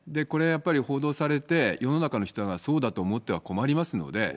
これやっぱり報道されて、世の中の人がそうだと思っては困りますので。